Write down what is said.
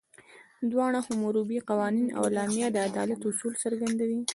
دواړه، حموربي قوانین او اعلامیه، د عدالت اصول څرګندوي.